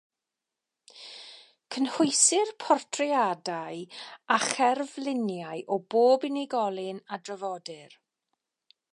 Cynhwysir portreadau a cherfluniau o bob unigolyn a drafodir.